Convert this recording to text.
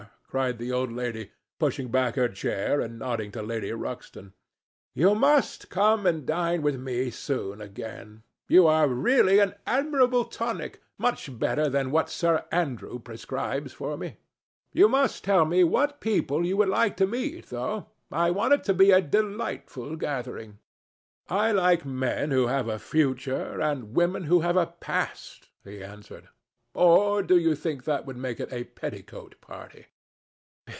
cried the old lady, pushing back her chair and nodding to Lady Ruxton. "You must come and dine with me soon again. You are really an admirable tonic, much better than what Sir Andrew prescribes for me. You must tell me what people you would like to meet, though. I want it to be a delightful gathering." "I like men who have a future and women who have a past," he answered. "Or do you think that would make it a petticoat party?"